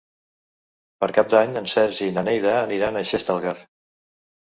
Per Cap d'Any en Sergi i na Neida aniran a Xestalgar.